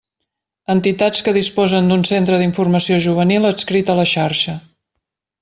Entitats que disposen d'un centre d'informació juvenil adscrit a la Xarxa.